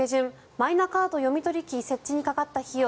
マイナカード読み取り機設置にかかった費用